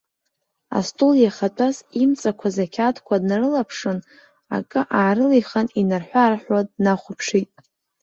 Астол иахатәаз имҵақәаз ақьаадқәа днарылаԥшын, акы аарылихын, инарҳәы-аарҳәуа днахәаԥшит.